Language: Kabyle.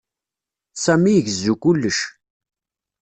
Sami igezzu kullec.